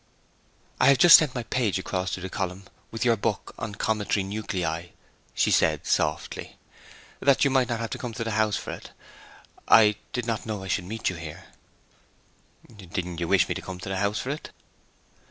'I have just sent my page across to the column with your book on Cometary Nuclei,' she said softly; 'that you might not have to come to the house for it. I did not know I should meet you here.' 'Didn't you wish me to come to the house for it?'